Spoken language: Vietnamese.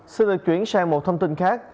xin được chuyển sang một thông tin khác